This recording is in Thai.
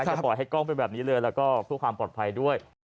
จะปล่อยให้กล้องเป็นแบบนี้เลยแล้วก็เพื่อความปลอดภัยด้วย